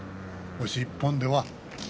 押し一本では。